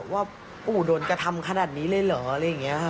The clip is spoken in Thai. ว่าอู่โดนกระทำขนาดนี้เลยเหรอ